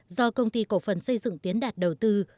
do công ty cổ phần xây dựng tiến đạt đầu tư